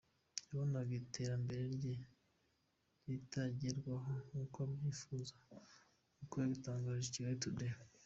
Yabonaga iterambere rye ritagerwaho nkuko abyifuza; nkuko yabitangarije Kigali Today.